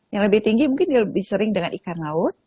yang lebih tinggi mungkin lebih sering dengan ikan laut